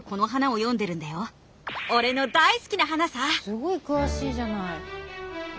すごい詳しいじゃない。